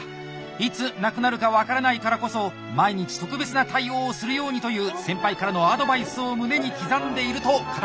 「いつ亡くなるか分からないからこそ毎日特別な対応をするように」という先輩からのアドバイスを胸に刻んでいると語っていました。